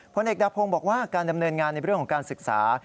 ผลเอกดาพงศ์บอกว่าการดำเนินงานในเรื่องของการศึกษา